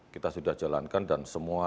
kita sudah jalankan dan semua